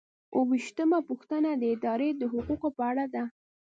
اووه ویشتمه پوښتنه د ادارې د حقوقو په اړه ده.